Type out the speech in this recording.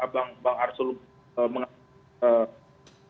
bang arsul mengatakan